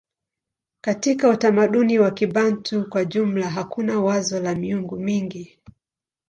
Katika utamaduni wa Kibantu kwa jumla hakuna wazo la miungu mingi.